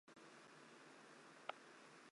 掌握指令流水线原理